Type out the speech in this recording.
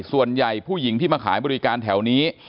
ส่วนใหญ่ผู้หญิงที่มาขายบริการแถวนี้